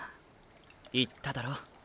言っただろう。